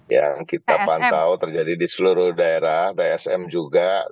yang kita pantau terjadi di seluruh daerah tsm juga